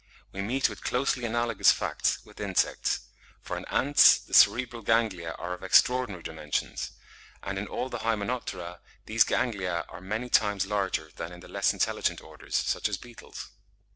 We meet with closely analogous facts with insects, for in ants the cerebral ganglia are of extraordinary dimensions, and in all the Hymenoptera these ganglia are many times larger than in the less intelligent orders, such as beetles.